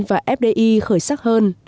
và fdi khởi sắc hơn